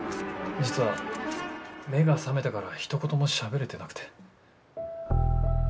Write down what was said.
実は目が覚めてからひと言もしゃべれてなくて。